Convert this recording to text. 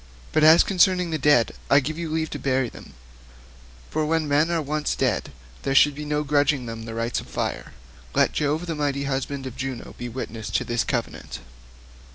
But as concerning the dead, I give you leave to burn them, for when men are once dead there should be no grudging them the rites of fire. Let Jove the mighty husband of Juno be witness to this covenant."